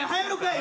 今。